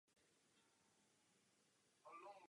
Byl nyní členem parlamentní frakce Polský klub.